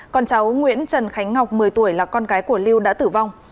còn cháu nguyễn trần khánh ngọc một mươi tuổi là con gái của lưu đã tử vong